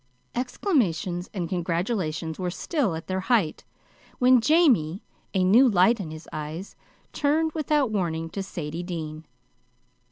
Exclamations and congratulations were still at their height, when Jamie, a new light in his eyes, turned without warning to Sadie Dean.